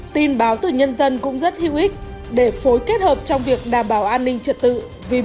tin báo từ nhân dân cũng rất hữu ích để phối kết hợp trong việc đảm bảo an ninh trật tự vì bình yên cuộc sống của nhân dân